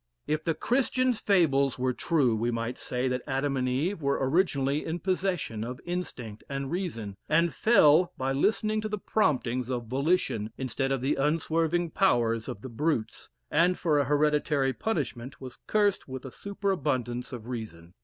If the Christians' fables were true, we might say that Adam and Eve were originally in possession of Instinct and Reason, and fell by listening to the promptings of volition, instead of the unswerving powers of the brutes, and for a hereditary punishment was cursed with a superabundance of reason.